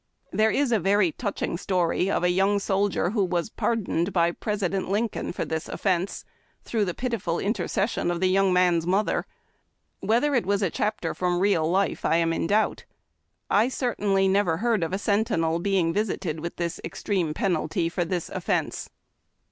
There is a very touching story of a young soldier who was pardoned by President Lincoln for this offence, through the pitiful inter cession of the young man's mother. Whether it was a chap ter from real life, 1 am in doubt. I certainly never heard of a sentinel being visited with this extreme penalty for this offence.